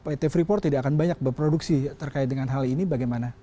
pt freeport tidak akan banyak berproduksi terkait dengan hal ini bagaimana